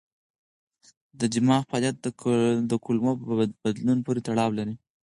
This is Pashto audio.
د دماغ فعالیت د کولمو په بدلون پورې تړاو لري.